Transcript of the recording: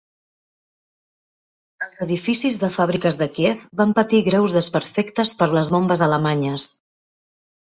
Els edificis de fàbriques de Kíev van patir greus desperfectes per les bombes alemanyes.